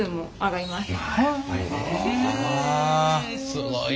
すごいな。